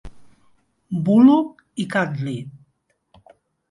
Bulo i Cadlit.